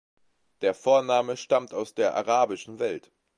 Der Vorname stammt aus der arabischen Welt.